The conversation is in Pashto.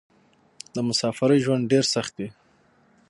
د مسافرۍ ژوند ډېر سخت وې.